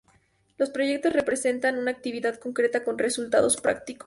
Los proyectos representan una actividad concreta con resultados prácticos.